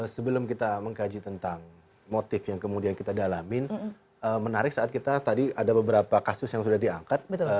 sebelum kita mengkaji tentang motif yang kemudian kita dalamin menarik saat kita tadi ada beberapa kasus yang sudah diangkat